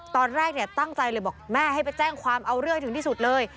ตอนแรกเนี่ยตั้งใจเลยบอกแม่ให้ไปแจ้งความเอาเรื่องให้ถึงที่สุดเลย